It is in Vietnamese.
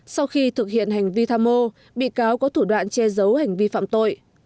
sau khi thực hiện hành vi tham mô bị cáo có thủ đoạn che giấu hành vi phạm tội